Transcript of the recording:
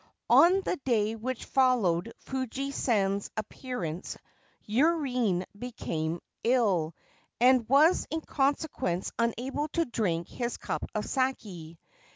On the day which followed Fuji San's appearance Yurine became ill, and was in consequence unable to drink his cup of sake.